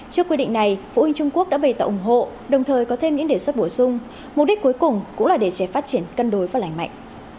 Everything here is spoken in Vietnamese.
trước quy định này phụ huynh trung quốc đã bày tạo ủng hộ đồng thời có thêm những đề xuất bổ sung mục đích cuối cùng cũng là để trẻ phát triển cân đối và lành mạnh